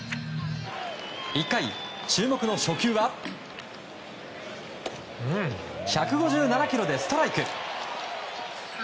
１回、注目の初球は１５７キロでストライク。